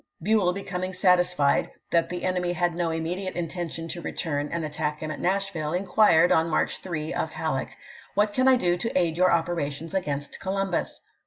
Buell, becoming satis fied that the enemy had no immediate intention to return and attack him at Nashville, inquired, on March 3, of Halleck :" What can I do to aid your 1862. operations against Columbus